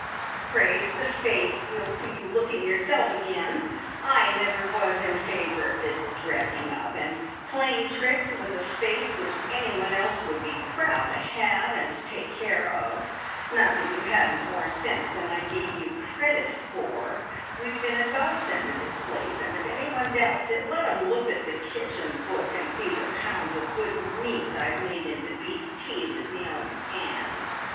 "Praise the fates, we'll see you looking yourself again! I never was in favour of this dressing up, and playing tricks with a face which anyone else would be proud to have, and to take care of. Not that you hadn't more sense than I gave you credit for! We've been a godsend to this place, and if anyone doubts it, let 'em look at the kitchen book, and see the pounds of good meat I've made into beef tea with me own hands.